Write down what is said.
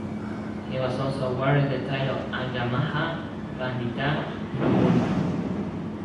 He was also awarded the title "Aggamaha Panditha" from Burma.